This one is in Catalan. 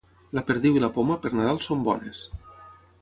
La perdiu i la poma, per Nadal, són bones.